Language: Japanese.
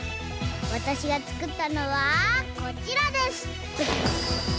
わたしがつくったのはこちらです！